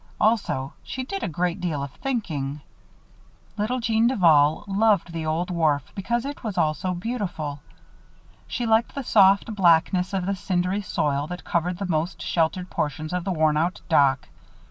Also, she did a great deal of thinking. Little Jeanne Duval loved the old wharf because it was all so beautiful. She liked the soft blackness of the cindery soil that covered the most sheltered portions of the worn out dock.